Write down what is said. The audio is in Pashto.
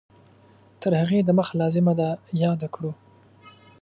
تر هغې د مخه لازمه ده یاده کړو